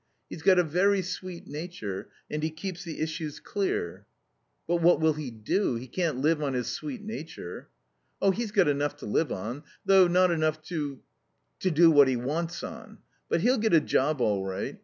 He's got a very sweet nature and he keeps the issues clear." "But what will he do? He can't live on his sweet nature." "Oh, he's got enough to live on, though not enough to to do what he wants on. But he'll get a job all right.